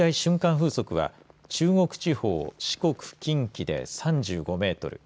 風速は中国地方、四国、近畿で３５メートル